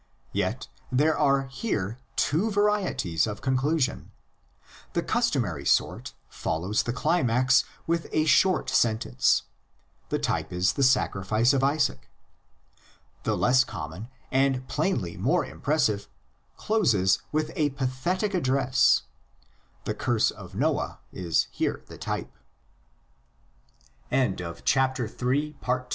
Yet there are here two varieties of conclusion: the cus tomary sort follows the climax with a short sentence (the type is the sacrifice of Isaac) ; the less common, and plainly more impressive, closes with a pathetic address (the curse of Noah is her